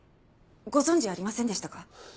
ご存じありませんでしたか？